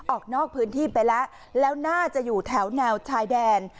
ออกนอกพื้นที่ไปแล้วแล้วน่าจะอยู่แถวแนวชายแดน